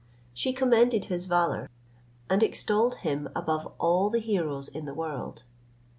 She commended his valour, and extolled him above all the heroes in the world.